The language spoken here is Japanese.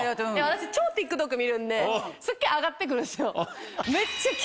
私超ＴｉｋＴｏｋ見るんですっげぇ上がってくるんですよ。